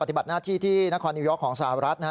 ปฏิบัติหน้าที่ที่นครนิวยอร์กของสหรัฐนะฮะ